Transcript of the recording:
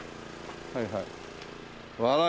はいはい。